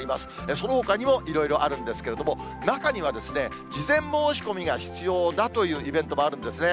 そのほかにもいろいろあるんですけれども、中には、事前申し込みが必要だというイベントもあるんですね。